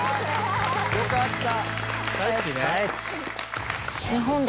よかった。